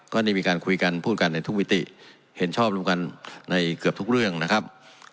ได้มีการคุยกันพูดกันในทุกมิติเห็นชอบรวมกันในเกือบทุกเรื่องนะครับ